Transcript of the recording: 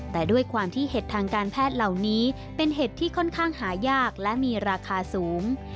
แต่ด้วยความที่เห็ดทางการแพทย์เหล่านี้เป็นเห็ดที่ค่อนข้างหายากและมีราคาสูง